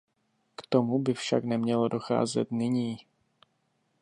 K tomu by však nemělo docházet nyní.